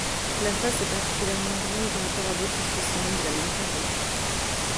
La face est particulièrement grande par rapport à d'autres spécimens de la même période.